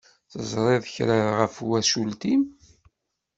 Teẓṛiḍ kra ɣef twacult-im?